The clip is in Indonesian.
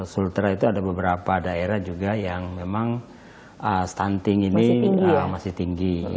sultra itu ada beberapa daerah juga yang memang stunting ini masih tinggi